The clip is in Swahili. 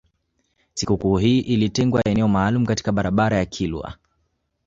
Sikukuu hii ilitengewa eneo maalum katika barabara ya kilwa